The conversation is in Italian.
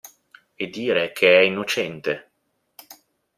E dire che è innocente!